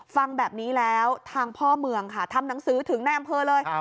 ฟังแบบนี้แล้วทางพ่อเมืองค่ะทำหนังสือถึงในอำเภอเลย